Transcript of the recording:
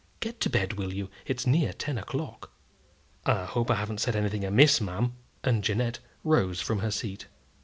Get to bed, will you? It's near ten o'clock." "I hope I haven't said anything amiss, ma'am;" and Jeannette rose from her seat.